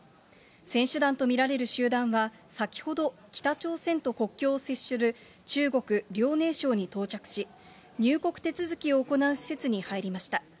選手団と見られる集団は、先ほど、北朝鮮と国境を接する中国・遼寧省に到着し、入国手続きを行う施設に入りました。